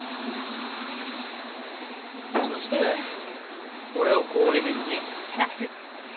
そしてこれを氷水に。